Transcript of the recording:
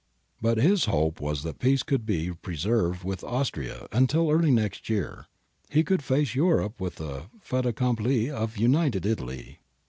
^ But his hope was that peace would be pre served with Austria until, early next year, he could face Europe with \hQ fait accompli oi United Italy.